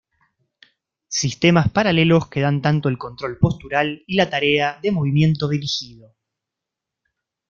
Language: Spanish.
Sistemas paralelos que dan tanto el control postural y la tarea de movimiento dirigido.